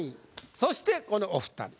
そしてこのお２人。